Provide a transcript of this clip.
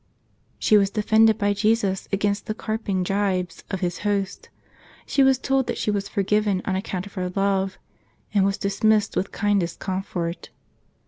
" She was defended by Jesus against the carping gibes of His host ; she was told that she was forgiven on account of her love, and was dismissed with kindest comfort."